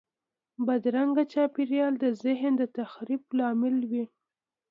بدرنګه چاپېریال د ذهن د تخریب لامل وي